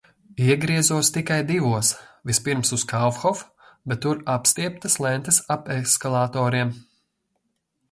Iegriezos tikai divos. Vispirms uz Kaufhof. Bet tur apstieptas lentes ap eskalatoriem.